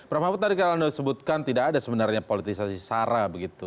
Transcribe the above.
prof mahfud tadi kalau anda sebutkan tidak ada sebenarnya politisasi sara begitu